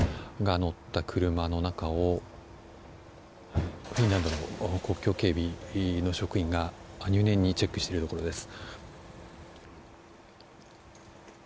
乗った車の中をフィンランドの国境警備の職員が入念にチェックしているところです。